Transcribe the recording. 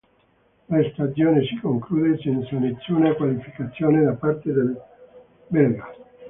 La stagione si conclude senza nessuna qualificazione da parte del belga.